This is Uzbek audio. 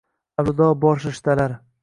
Аlvido, bor rishtalar